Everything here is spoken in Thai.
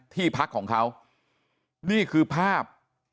ที่พักของเขานี่คือภาพ